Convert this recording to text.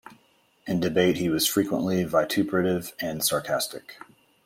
In debate he was frequently vituperative and sarcastic.